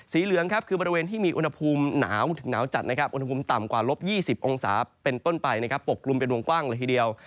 เหลืองครับคือบริเวณที่มีอุณหภูมิหนาวถึงหนาวจัดนะครับอุณหภูมิต่ำกว่าลบ๒๐องศาเป็นต้นไปนะครับปกกลุ่มเป็นวงกว้างเลยทีเดียว